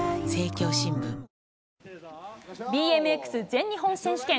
ＢＭＸ全日本選手権。